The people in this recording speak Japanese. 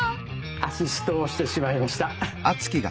アシストをしてしまいました。